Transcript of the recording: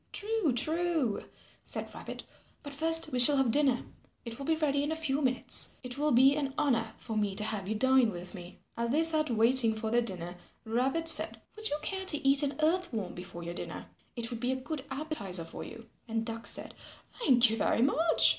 "True, true," said Rabbit, "but first we shall have dinner. It will be ready in a few minutes. It will be an honour for me to have you dine with me." As they sat waiting for their dinner, Rabbit said, "Would you care to eat an Earth Worm before your dinner? It would be a good appetizer for you." And Duck said, "Thank you very much.